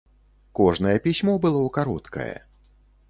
Кожнае пісьмо было кароткае.